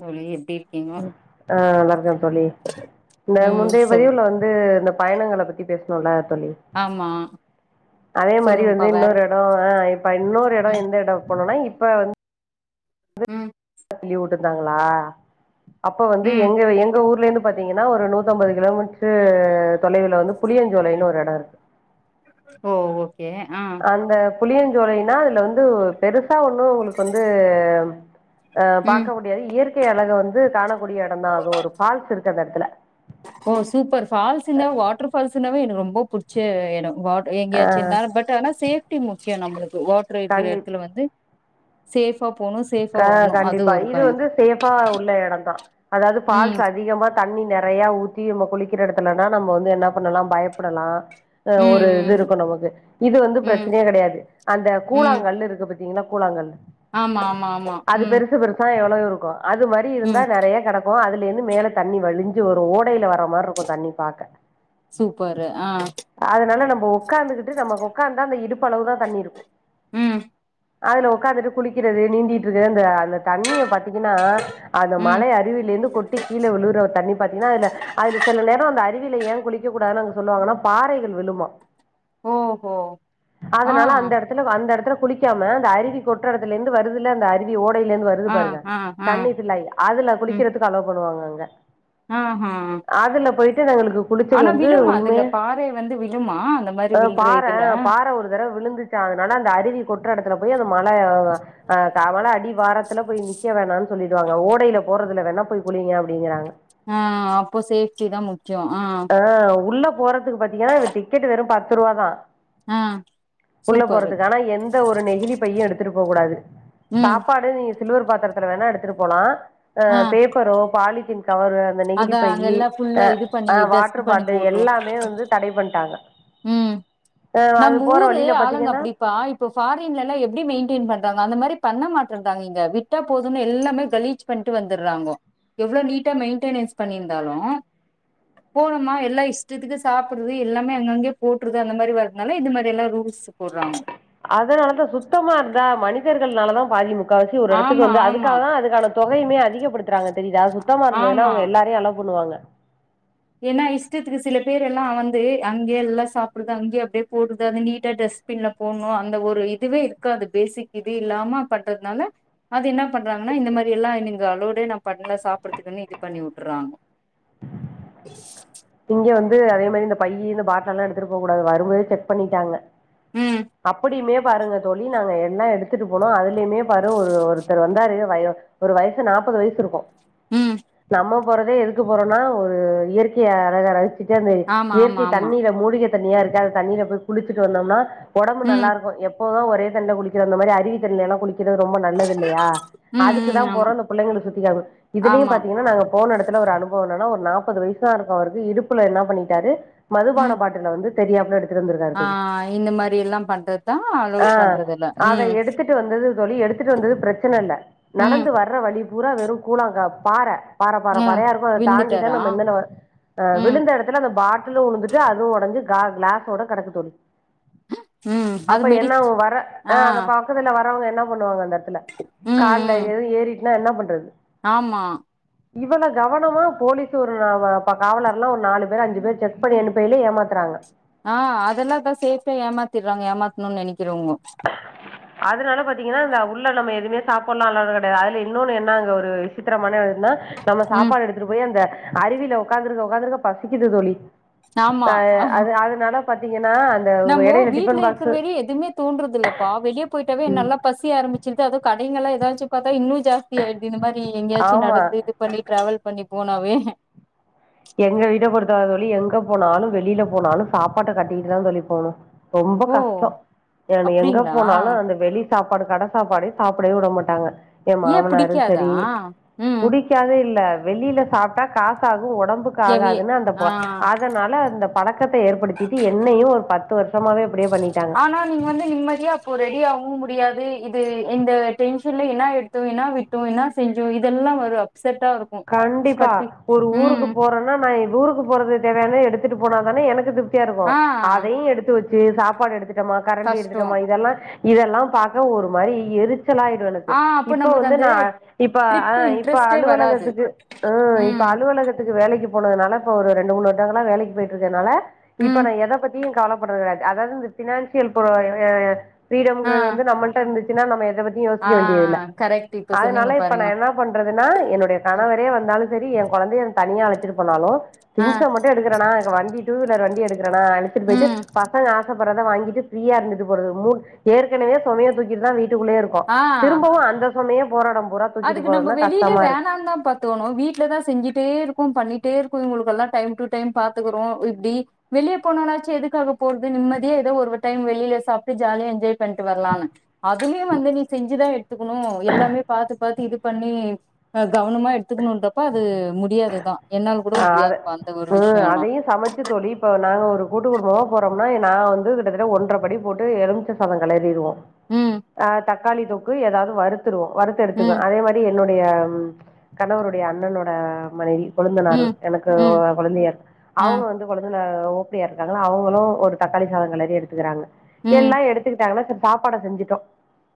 தோழி இருக்கீங்க ஆ நல்லா இருக்கே தோழி இந்த ம் முந்தைய சொல் பதிவுல வந்து இந்த பயணங்கள பத்தி பேசனோம்ல தோழி ஆமா அதே மாரி சொல்லுங்கப்பா வந்து வேற இன்னொரு ஆ இப்ப இன்னொரு இடம் ம் எந்த இடம் போனோன்னா இப்ப வந்து ம் தள்ளி வுட்டுட்டாங்களா அப்போ வந்து ம் எங்க எங்க ஊர்ல இருந்து பாத்தீங்கன்னா ஒரு நூத்தம்பது கிலோமீட்டர் தொலைவில வந்து புளியஞ்சோலைன்னு ஒரு இடம் இருக்கு ஓ ஓகே ஆஹ் அந்த புளியஞ்சோலைனா அதுல வந்து பெருசா ஒண்ணும் உங்களுக்கு வந்துஆஹ் ம் பார்க்க முடியாது இயற்கை அழக வந்து காண கூடிய இடந்தான் அது ஒரு பால்ஸ் இருக்கு அந்த இடத்துல ஓ சூப்பர் பால்ஸ்ன்னா வாட்டர் பால்ஸ்ன்னாவே எனக்கு ரொம்ப பிடிச்ச இடம் வாட் எங்கயாச்சும் இருந்தால் பட் ஆனா சேஃப்டி முக்கியம் நம்மளுக்கு வாட்டர் இருக்கிற கண்டி இடத்துல வந்து சேஃபா போணும் சேஃபா க வரணும் அது கண்டிப்பா ஒரு இது பயம் வந்து சேஃபா உள்ள இடம்தா அதாவது ஃபால்ஸ் ம் அதிகமா தண்ணி நிறையா ஊத்தி நம்ம குளிக்கிற இடத்துலனா நம்ம வந்து என்ன பண்ணலாம் பய ப்பிடலாம் ஹ ம் ஒரு இது ம் இருக்கும் நமக்கு இது வந்து ம் பிரச்சனையே கிடையாது அந்த ம் கூழாங்கல்லு இருக்கு பத் த்திங்களா கூழாங்கல் ஆமா ஆமா ஆம் அது பெருசு பெருசா எவ்வளவு இருக்கும் அது மாரி இருந்தா ம் நிறைய கிட க்கு அதுல இருந்து மேல தண்ணி வழிஞ்சு ஒரு ஓடையில வர மாரி இருக்கும் தண்ணி பாக்க சூப்பரு ஆ அதனால நம்ம உக்காந்துகிட்டு நம்ம உக்காந்தா அந்த இடுப்பளவுதா தண்ணி இருக்கும் ம் அதுல உக்காந்துட்டு குளிக்கிறது நீந்திகிட்டு இருக்கிறது அந்த அந்த தண்ணிய பாத்தீங்கன்னா அந்த ம் மலை அருவில இருந்து கொட்டி கீழே விழுற தண்ணி பாத்தீங்கன்னா அதுல அதுல சில நேரம் அந்த அருவியில ஏன் குளிக்க கூடாதுனு அங்க சொல்லுவாங்கன்னா பாறைகள் விழுமா ஓஹோ ஆ அதனால அந்த இடத்துல அந்த இடத்துல குளிக்காம அந்த அருவி கொட்ற இடத்துல இருந்து வருது ல்ல அந்த அருவி ஓடையில இருந்து வருது ஆ பாருங்க ஆ ஆ தண்ணி [unintelligible] அதுல குளிக்கிறதுக்கு அலோ பண்ணுவாங்க அங்க ஆஹ் அதுல போயிட்டு எங்களுக்கு குளிச்சது வந்து அதுல உண்மைய பாறை வந்து விழுமா அந்த மாரி விழ்ற பாற இதுல பாறை ஒரு தடவ விழுந்து அதனால அந்த அருவி கொட்டுற இடத்துல போய் அந்த மலை ஆஹ் காவல ஆடிவார அங்கனா போய் நிக்க வேணான் சொல்லிடுவாங்க ஓடைல போறதுல வேணா போய் குளிங்க அப்டிங்கிறாங்க ஆ அப்போ சேஃப்டி தா முக்கிய ஆ ஆ உள்ள போறத்துக்கு பாத்தீங்கனா இந்த டிக்கெட் வெறு பத்து ரூவா தா ஆ உள்ள சூப்பரு போறத்துக்கு ஆனா எந்த ஒரு நெகிழி பையு எடுத்துட்டு போக்கூடாது ம் சாப்பாடு நீங்க சில்வர் பாத்தரத்துல வேனா எடுத்துட்டு போலா ஆ பேப்பரோ பாலித்தீன் கவரு இந்த நெகிழி அதா அங்க பையி எல்லா ஃபுல்லா அ இது பண்ணி ஆ டஸ்ட் வாட்ரு பண்ணி பாட்டில் போட்ரு எல்லாமே வந்து தடை பண்ட்டாங்க ம் நம்ப ஊரு ஆளுங்க பார்த்தீங்கன்னா அப்டிப்பா இப் இப்ப ஃபாரின்லலா எப்டி மெயின்டேன் பண்றாங்க அந்த மாரி பண்ண மாட்டன்டாங்க இங்க விட்டா போதுனு எல்லாமே கழிஜ் பண்ட்டு வந்துர்றாங்கோ எவ்ளோ நீட்டா மெயின்டனென்ஸ் பண்ணிருந்தாலு போனோமா எல்லா இஷ்டத்துக்கு சாப்புட்றது எல்லாமே அங்கங்கயே போட்றது அந்த மாரி வருதுனால இது மாரியெல்லா ரூல்ஸ் த்து போட்றாங்க அதனாலதா சுத்தமா இருந்தா மனிதர்கள்னாலதா பாதி முக்காவாசி ஒரு எடத்துக்கு ஆமா வந்து ஆமா அதுக்காகதா அதுக்கான தொகையுமே அதிகப்படுத்துறாங்க தெரியுதா சுத்தமா இருந்ததுனா ஆமா அவ்ங்க எல்லாரையு அலோ பண்ணுவாங்க ஏனா இஷ்டத்துக்கு சில பேரெல்லா வந்து அங்கயே எல்லா சாப்புட்றது அங்கேயே அப்டியே போட்றது அது நீட்டா ட்ரெஸ் பின்ன போட்ணு அந்த ஒரு இதுவே இருக்காது பேசிக் இதே இல்லாம பண்றதுனால அது என்ன பண்றாங்கனா இந்த மாரியெல்லா நீங்க அலோட்டே நா பண்ல சாப்றதுக்குன்னு இது பண்ணி வுட்றாங்க இங்க வந்து அதே மாரி இந்த பையி இந்த பாட்டில்லா எடுத்துட்டு போகக் கூடாது வரும்போதே செக் பண்ணிட்டாங்க ம் அப்டியுமே பாருங்க தோழி நாங்க எல்லா எடுத்துட்டு போனோ அதுலயுமே பாரு ஒரு ஒருத்தரு வந்தாரு வய இவரு வயசு நாப்பது வயசு இருக்கு ம் நம்ம போறதே எதுக்கு போறோனா ஒரு இயற்கைய அழக ரசிச்சிட்டு அந்த ஆமா ஆமா இயற்கை ஆமா தண்ணீல மூலிக தண்ணியா இருக்கு அந்த தண்ணில போய் குளிச்சுட்டு வந்தோம்னா ஒடம்பு நல்லா ம் இருக்கு எப் ப்போது ஒரே தண்ணில குளிக்குற இந்த மாரி அறிவி தண்ணிலேலா குளிக் கிறது ரொம்ப நல்லதில்லையா ம் அதுகுதா ம் ஆமா போறோ இந்த பிள்ளைங்கள சுத்தி காமி இதுலயு ஆமா பாத்தீங்கனா நாங்க போன எடத்துல ஒரு அனுபவ என்னனா ஒரு நாப்பது வயசுதா இருக்கு அவருக்கு இடுப்புல என்ன பண்ணிடாரு மதுபான ம் பாட் டில்ல வந்து தெரியாம எடுதுட்டு வந்துருக்காரு ஆ தோழி இந்த மாரி எல்லா பண்றதுதா ஆ அலோட் பண்றது இல்ல அத ம் எடுத் த்துட்டு வந்தது தோழி எடுதுட்டு வந்தது பிரச்சன இல்ல ம் நடந்து வர் வர்ற வழி பூரா வெறு கூலாங்கா பாற பாற பாற ம் பாறையா இருக்கு அத தாண்டிதா விழுந்துட்டாரா நம்ம இந்தன வர அ ம் விழுந்த எடத்துல அந்த பாட்டில்லு உழுந்துட்டு அதுவு ஒடஞ்சு கா கிளாஸோட கெடக்கு தோழி ம் அது அப்ப மெடிச் என்னாகு வர ஆ அந்த பக் க்கத்துல வர்றவ்ங்க என்ன பண்ணுவாங்க அந்த எட்த்துல ம் கால்ல ம் எது ஏறிட்னா என்ன பண்றது ஆமா இவன கவனமா போலீஸு ஒரு நா வாப் இப்ப காவலர்னா ஒரு நாலு பேரு அஞ்சு பேரு செக் பண்ணி அனுப்பைலே ஏமாத்துறாங்க ஆ அதெல்லா தா சேத்தே ஏமாத்திட்றாங்க ஏமாத்தணுன் நெனைக்கிறவ்ங்கோ அதுனால பாத்தீங்கனா இந்த உள்ள நம்ம எதுமே சாப்புட்ணுலாகா கெடையாது அதுல இன்னொன்னு என்ன அங்க ஒரு விசித்திரமானதுனா நம்ம ம் சாப்பாடு எடுத்துட்டு போய் அந்த அருவில ஒக்காந்திருக்க ஒக்காந்திருக்க பசிக்குது தோழி ஆமா அ அது அதனால பாத்தீங்கனா நம்போ வீட்ல இருக்குற வரையு எதுமே தோன்றதில்லப்பா வெளிய போயிட்டாவே நல்லா பசி ஆரம்பிச்சிர்து அது கடைங்கள்லா எதாச்சு பாத்தா இன்னு ஜாஸ் தி ஆய்டுது இந்த மாரி எங்கயாச்சு ஆமாம் நடந்து இது பண்ணி ட்ராவல் பண்ணி போனாவே எங்க வீட்ட பொருத்தவர தோழி எங்க போனாலு வெளில போனாலு சாப்பாட்ட கட்டிட்டுதா தோழி போணு ரொம்ப ஓ கஷ்ட ஏ நீ எங்க அப்டிங்களா போனாலு அந்த வெளி சாப்பாடு கட சாப்பாடே சாப்டவே விட மாட்டாங்க ஏ மாமனாரு செரி ம் புடிக் காது இல்ல வெளில சாப்ட்டா காசாகு எவி ஒடம்புக்காகதுன்னு அந்த ப ஆ அதனால அந்த பழக்கத்த ஏற்படுத்திட்டு என்னையு ஒரு பத்து வர்ஷமாவே அப்டியே பண்ணிட்டாங்க ஆனா நீங்க வந்து நிம்மதியா அப்போ ரெடியாகவு முடியாது இது இந்த டென்ஷன்ல என்ன எடுத்தோ என்ன விட் டோ என்னா செஞ்சோ இதெல்லா வரு அப்ஸெட்டா இருக் கண்டிப்பா ஒரு ஊருக்கு போறன்னா நா எங்கூருக்கு போறது தேவையான எடுத்துட்டு போனா தானே எனக்கு திருப் த்தியா இருக்கு ஆ அதையும் எடுத்து வச்சு சாப்பாடு எடுத்துட்டமா கரண்டி கஷ்டோ எடுத்துட்டமா இதெல்லா இதெல்லா பாக்க ஒரு மாரி எரிச்சலாய் ஆனது ஆ அப்ப இப்போ நம்மளுக்கு வந்து அந்த நா இப்ப ஆ ட்ரிப்பு இப்ப இன்ட்ரெஸ்ட்டே வராது அலுவலகத்துக் ம் இப்ப அலுவலகத்துக்கு வேலைக்கு போனதுனால இப்ப ஒரு ரெண்டு மூணு வருடங்கல்லா வேலைக்கு போயிட்ருக்கனால இப்ப ம் நா எத பத்தியும் கவலப்பட்றது கெடயாது அதாவது இந்த பினான்ஸியல் [unintelligible] ஆ ஃப்ரீடம்ங்றது வந்து நம்மல்ட இருந்துசுன்னா நம்ம எத பத்தியும் ஆ யோசிக்க வேண்டியதில்ல கரெக்ட் இப்ப சொன்னீங்க அதனால இப்ப நா பாருங்க என்ன பண்றதுனா என்னுடைய ம் கணவரே வந்தாலு சரி என் கொழந்தைய தனியா அழச்சிட்டு போனாலு ஆ திங்ஸ்ஸ மட்டு ம் எடுக்கிறனா வண்டி டூ வீலர் வண்டி எடுக்கிறனா எடுத்துட்டு போய்ட்டு ம் பசங்க ஆசப் படுறத வாங்கிட்டு பிரீயா இருந்துட்டு போறது மு ஏற்கனவே சுமைய தூக்கிட்டு தான் வீட்டுக்குள்ளே இருக் கோ ஆ திரும்பவும் அந்த சமயம் போராடம் போரா அதுக்கு நம்ம வெளிலே வேணா தா பாத் தோணு வீட்லதா செஞ்சிட்டே இருப்போ பண்ணிட்டே இருப்போ இவங்களுக்கெல்லா டைம் டு டைம் பாத்துக்குறோ இப்டி வெளியே போனாலாச்சு எதுக்காக போறது நிம்மதியா ஏதோ ஒரு டைம் வெளில சாப்ட்டு ஜாலியா என்ஜாய் பண்ட்டு வரலான்னு அதுலியும் வந்து நீ செஞ்சுதா எடுத்துக்கணு எல்லாமே பாத்து பாத்து இது பண்ணி அ கவனமா எடுத்துக்கணுன்றப்ப அது முடியாதுதா என்னால கூட ஆ அத முடியாதுப்பா அந்த ஒரு ம் விஷயம்லா அதையு சமச்சு தோழி இப்போ நாங்க ஒரு கூட்டு குடும்பமா போறோம்னா நா வந்து கிட்டதட்ட ஒன்ற படி போட்டு எலும்ச்ச சாதம் கெலரிருவோம் ம் அ தக்காளி தொக்கு எதாவது வறுத்துருவோம் வறுத்து எடுத்துருவ ம் அதே மாரி என்னுடைய கணவருடைய அண்ணனோட மனைவி கொழுந்த னார் ம் எனக்கு ம் கொளிந்தியார் ஆ அவங்க வந்து கொளுந்தனார் ஓப்படியா இருக்காங்கள அவங்களும் ஒரு தக்காளி சாதம் கெலறி எடுத்துக்கிறாங்க ம் எல்லாம் எடுத்துக்கிட்டாங்கன்னா சரி சாப்பாட செஞ்சுட்டோம்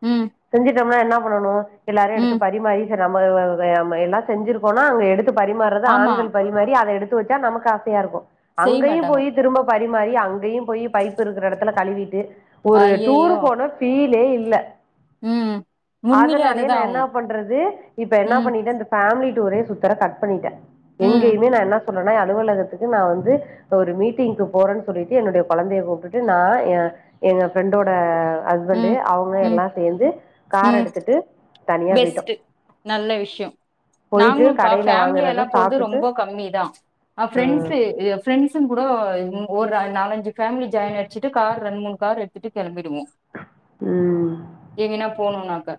ம் செஞ்சுட்டோம்னா என்ன பண்ணணும் எல்லாரும் எடுத்து ம் பரிமாறி நம்ம வ அ எல்லாம் செஞ்சிருக்கோம்னா அங்க எடுத்து பரிமாறுறது ஆமா ஆண்கள் பரிமாறி அத எடுத்து வச்சா நமக்கு ஆசையா இருக்கும் செய்ய அங்கேயும் மாட்டாங்கோ போய் திரும்ப பரிமாறி அங்கேயும் போய் பைப்பு இருக்கிற இடத்துல கழுவிட்டு ஒரு டூர் ஐயையோ போன பீலே இல்ல ம் உண்மையிலே அதனாலயே அதுதா நான் என்ன ஆவு பண்றது இப்ப ம் என்ன பண்ணிட்ட இந்த ஃபேமிலி டூரே சுத்தற கட் பண்ணிட்டேன் ம் எங்கேயுமே நான் என்ன சொன்னனா அலுவலகத்துக்கு நா வந்து ஒரு மீட்டிங்கு போறேன் சொல்லிட்டு என்னுடைய குழந்தைய கூப்ட்டுட்டு நான் எ எங்க ஃப்ரெண்டோட ஹஸ்பண்டு ம் அவுங்க ம் எல்லாம் சேர்ந்து கார ம் எடுத்துட்டு தனியா போயிட்டோ பெஸ்ட்டு நல்ல விஷ்யம் போயிட்டு நாங்களும் பா கடையில ஃபேமிலி வாங்குறத எல்லாம் போறது சாப்ட்டுட்டு ரொம்ப கம்மி தான் அ ம் ஃப்ரெண்ஸ்ஸு எ ஃப்ரெண்ஸுங்க கூட ஒரு ந நாலஞ்சு பேமிலி ஜாயின் அடிச்சுட்டு கார் ரெண்மூணு கார் எடுத்துட்டு கிளம்பிடுவோம் ம் எங்கனா போணும்னாக்கா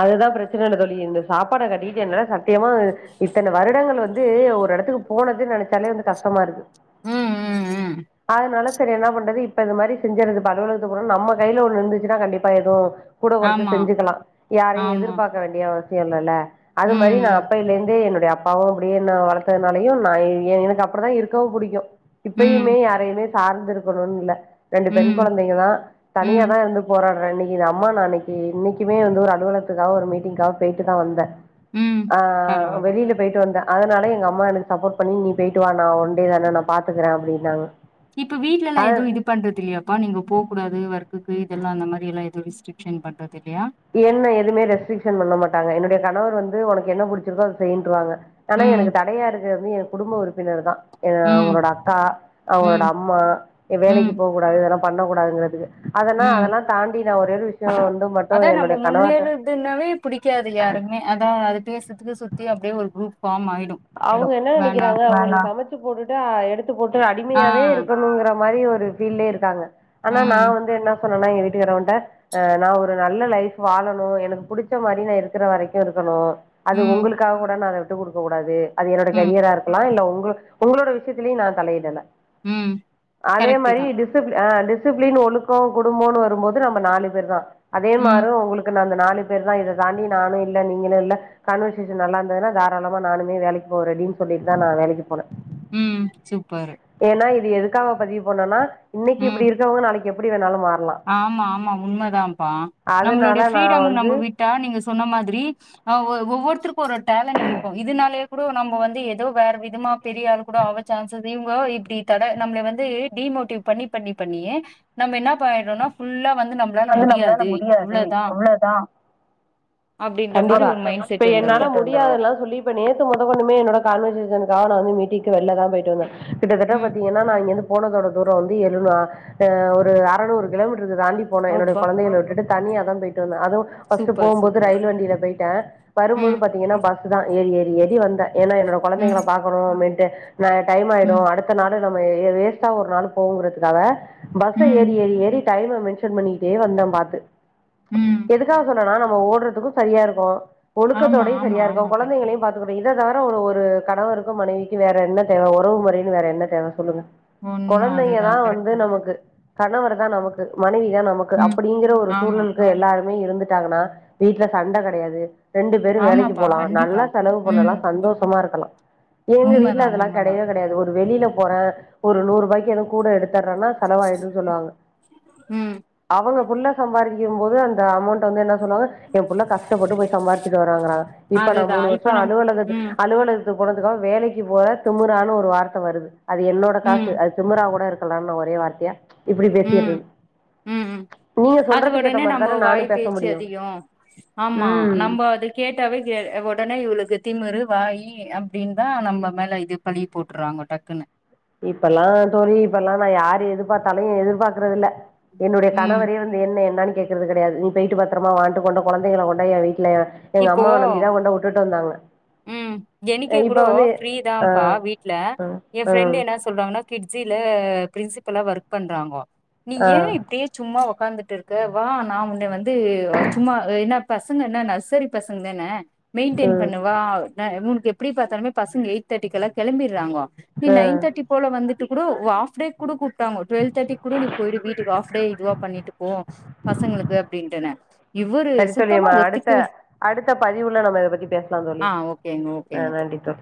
அதுதான் பிரச்சனை சொல்லி இந்த சாப்பாட கட்டிட்டு என்னால சத் தியமா இத்தன வருடங்கள் வந்து ஒரு இடத்துக்கு போனது நினச்சாலே வந்து கஷ்டமா இருக்கு ம் ம் ம் அதனால சேரி என்னா பண்றது இப்ப இந்த மாரி செஞ்சறது இப்ப அலுவலகத்துக்கு போறோம் நம்ம கைய்ல ஒன்னு இருந்துச்சுா கண்டிப்பா எதும் கூட குறச்ச ஆமா செஞ்சுக்கலாம் யாரையும் ஆமா எதிர்பார்க்க வேண்டிய அவசியம் இல்லல்ல அது மாரி நா ம் அப்பையிலேருந்தே என்னுடைய அப்பாவும் அப்டியே என்ன வளர்த்ததுனாலையும் நான் எனக்கு அப்பறம்தான் இருக்கும் புடிக்கும் ம் இப்பயுமே யாரையுமே சார்ந்து இருக்கணும்னு இல்ல ரெண்டு பெண் ம் குழந்தைங்க தான் தனியா ம் தான் வந்து போராடுறேன் இன்னைக்கு இது அம்மா நாளைக்கு இன்னைக்குமே வந்து ஒரு அலுவலத்துக்காக ஒரு மீட்டிங்க்காக போய்ட்டு தான் வந்த ம் ஆ பரவால்ல வெளில போயிட்டு வந்தன் அதனால எங்க அம்மா எனக்கு சப்போர்ட் பண்ணி நீ பேய்ட்டு வா நா ஒண்டே தான நான் பாத்துக்கற அப்டின்னாங்க இப்ப வீட்லல்லாம் எதோ இது பண்றது இல்லையாப்பா நீங்க போகூடாது ஒர்க்குக்கு இதெல்லா அந்த மாரி எல்லாம் டூரிஸ்ட் ரிக்ஷன் பண்ணறது இல்லையா என்ன எதுமே ரெஸ்ட்ரிக்ஷன் பண்ண மாட்டங்க என்னுடைய கணவர் வந்து உனக்கு என்ன புடிச்சிருக்கோ அத செய்யின்றுவாங்க ஆனா ம் எனக்கு தடையா இருக்கிறது என் குடும்ப உறுப்பினர் தான் ஏ ம் உன்னோட அக்கா அவங்களோட ம் அம்மா ம் வேலைக்கு போக்கூடாது இதெல்லாம் பண்ண கூடாதுங்றத்துக்கு அதனா ம் அதெல்லா தாண்டி நா ஒரே ஒரு விஷயம் வந்து மட் அதா நம்ம முன்னேறுதுன்னாவே புடிக்காது யாருங் மே அதா அது பேசுத்துக்கு சுத்தி அப்டியே ஒரு க்ரூப் ஃபாம் ஆய்டு அவங்க என்ன நெனக்கிறாங்க அவ சமைச்சு போட்டுட்டா எடுத் த்து போட்டு ஆ அடிமையாவே இருக்கணுங்குற மாரி ஒரு ஃபீல்லே இருக்காங்க ஆனா நா ம் வந்து என்னா சொண்ணலா எங்க வீட்டுக்காரவன்ட்ட அ நா ஒரு நல்ல லைஃப் வாழணு எனக்கு புடிச்ச மாரி நா இருக்ற வரைக்கு இருக்கணு அது ம் உங்ளுக்காக கூட நா அத விட்டு குடுக்க கூடாது அது என்னோட ம் கரியரா இருக்லா இல்ல உங்க உங்ளோட விஷயத்லியு நா தலையிடல ம் அதே கரெக்ட்டு மாரி தா டிஸ் டிசிப் அ டிசிப்ளின் ஒழுக்கோ குடும்போனு வருபோது நம்ம நாலு பேர் தா அதே ம் மாரு உங்ளுக் த அந்த நாலு பேர் தா இத தாண்டி நானு இல்ல நீங்களு இல்ல கான்வர்சேஷன் நல்லாந்ததுன்ன தாராளம் வ நானுமே வேலைக்கு போற ரெடின்னு சொல்லிட்டு தான் நா வேலைக்கு போனே ம் சூப்பரு பேனா இது எதுக்காக பதிவு பண்ணோனா இன்னிக்கி ம் இப்டி இருக்கவங்க நாளைக்கு எப்டி வேணாலு மாற் ஆமா ஆமா உண்மதான்ப்பா நம்மளோடைய அதனால நா ஃரீடம்மு வந்து நம்ம விட்டா நீங்க சொன்ன மாதிரி அ ஒ ஒவ்வொருத்தருக்கு ஒரு டேலண்டட் இருக்கு இதுனாலயே கூட நம்ப வந்து ஏதோ வேற விதமா பெரியாள் கூட ஆவ சான்ச இவுங்க இப்டி தடே நம்ளே வந்து டிமோட்டிவ் பண்ணி பண்ணி பண்ணியே நம்ம என்ன பயறோனா ஃபுல்லா வந்து நம் வந்து நம்மளால முடியாது எவ்ளதா அப்படின்ற மாதிரி கண்டிப்பா ஒரு மைண்ட் இப்ப செட் என்னால வந்துடுறோம் மு இல்ல அதுல்லா சொல்லி இப்ப நேத்து மொதகொண்டுமே என்னோட கான்வசேஷனுக்காக நா வந்து மீட்டிக்கு வெள்ல தா போய்ட்டு வந்த கிட்டதட்ட ம் பாத்திங்கனா நா இங்கருந்து போனதோட தூரோ வந்து எழுந அ ஒரு அறநூறு கிலோமீட்ருக்கு தாண்டி போன என்னுடைய அப்பா கொழந்தைகல விட்டுட்டு தனியாதா போய்ட்டு வந்த அது ஃபஸ்ட்டு சூப்பர் போம்போது சூப்பர் ரயில் வண்டில போய்ட்டே வரும்போது ம் பாத்திங்கனா பஸ்ஸுதா ஏறி ஏறி ஏறி வந்த ஏனா என்னோட ம் கொழந்தைங்கல பாக்கனு அம்மென்ட்டு ந டைம் ஆய்டு ம் அடுத்த நாளு நம்ம எ வேஸ்டா ஒரு நாளு போகுறத்துக்காக பஸ்ஸ ம் ஏறி ஏறி ஏறி டைம்ம மென்ச் ஷன் பண்ணிக்கிட்டே வந்த பாத்து ம் எதுக்காக சொன்னனா நம்ம ஓட்றதுக்கு சரியா இருக்கு ஆமா ஒழுக்கத்தோடயு ஆமா சரியா ஆமா இருக்கு கரெக்ட் கொழந்தைங்களையு பாத் இத தவர ஒரு ஒரு கணவருக்கு மனைவிக்கு வேற என்ன தேவ ஒறவு மொறைன்னு வேற என்ன தேவ சொல்லுங்க ஒன்னும் கொழந்தைங்க தா அதுதான் வந்து கரெக்ட் தான் நமக்கு கணவர் தா நமக்கு மனைவி தா நமக்கு ம் அப்படிங்குற ஒரு ஆமா சூழல் து எல்லாருமே இருந்துட்டாங்கனா வீட்ல சண்ட கெடையாது ரெண்டு பேரு வேலைக்கு ஆமாப்பா போலா கண்டிப்பா நல்லா செலவு பண்ணுலா ம் சந்தோஷமா இருக்கலா இவுங்க உண்மதா வீட்ல அதெல்லா உண்மதா கெடையவே கெடையாது ஒரு வெளில போறே ஒரு நூர் ருபாய்க்கு எது கூட எடுத்ற்னா செலவாய்டூ சொல்லுவாங்க ம் அவுங்க புள்ள சம்பாரிக்கும்போது அந்த அமௌண்ட் வந்து என்ன சொல்லுவாங்க ஏ புள்ள கஷ்ட்டபட்டு போய் சாம்பாரிசிட்டு வரங்கிறாங் இப்ப நா அதுதா மூணு வர்ஷோ இப்ப நம் அலுவலகத் ம் அலுவலகத் கொனன்டுக்கால் வேலைக்கு போற திமுரானு ஒரு வார்த்த வருது அது என்னோட ம் காசு அது திமுரா கூட இருக் கலா நா ஒரே வார்த்தையா இப்டி பேசிர்றது ம்ம் நீங்க அது சொல்றதுக்கு ஏத்த உடனே மாரி நம்ப தானே வாய் நானும் பேச பேச்சி முடியும். அதிகோ ஆமா ம். நம்ப அது கேட்டாவே கேல் எ உடனே இவுளுக்கு திமுறு வாயி அப்டின்தா நம்ம மேல இது பழி போட்றாங்க டக்குனு இப்பல்லா தோழி இப்பல்லா நா யாரு எதிர்பாத்தாலு எதிர்பாக்றதுல என்னுடைய ம் கணவரே வந்து து என்னு என்னானு கேக்றது கெடையாது நீ போய்ட்டு பத்ரமா வாண்ட்டு கொண்டு கொழந்தைங்ல கொண்டே வீட்லஎல்லா எங்க இப்போ அம்மாவ நம்பிதா உன்ன உட்டுட்டு வந்தாங்க ம் தெனிக்கே இப்ப கூட வந்து ஆ ஃப்ரிதாபா வீட்ல ஆ என் ஆ ஃப்ரெண்டு என்னாஸ் சொல்றாங்னா கிட்ஜில ப்ரின்சிபலா ஒர்க் பண்றாங்கோ நீ ஆ யே இப்டி சும்மா ஒக்காந்துட்டு இருக்கு வா நா உன்ன வந்து சும்மா என்ன பசங்க என்னா நஸ் தெரி பசங் தன மெயின்டெய்ன் ம் பண்ணவாவ் ந உன்க்கு எப்படி பாத்தாலுமே பசங்க எய்ட் தட்டிகுலா கெலம்பிறாங்கோ நீ ஆ நைன் தட்டி போல வந்ட்டு கூட ஹாஃவ்டே கூப்டாங்க டுவல்ஆதேட்டி கூட நீ பொய்டு வீட்க்கு ஹாஃவ்டே இதுவா பண்ணிட்டு போ பசங்ளுக்கு அப்டின்ட்டுனு இவுரு சரி தோழி சுத்தமா நம்ம அடுத்த ஒத்துக்கவே அடுத்த பதிவுள்ள நம்ம இத பத்தி பேஸ்லா தோழி ஆ ஓகேங்க ந ஓகேங்க தோழி நன்றி தோழ்